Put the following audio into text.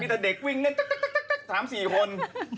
มีแต่เด็กวิ่งเนื่องสามสี่คน